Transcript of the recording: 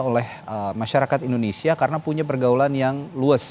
oleh masyarakat indonesia karena punya pergaulan yang luas